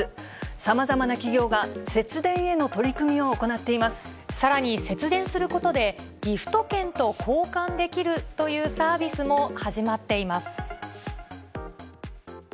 さまざまな企業が節電への取り組さらに、節電することで、ギフト券と交換できるというサービスも始まっています。